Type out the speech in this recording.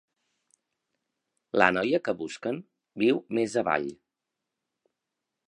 La noia que busquen viu més avall.